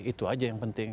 itu aja yang penting